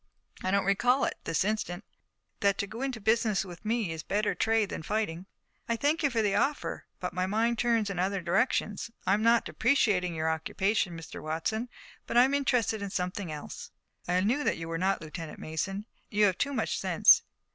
"I don't recall it, this instant." "That to go into business with me is a better trade than fighting." "I thank you for the offer, but my mind turns in other directions. I'm not depreciating your occupation, Mr. Watson, but I'm interested in something else." "I knew that you were not, Lieutenant Mason. You have too much sense.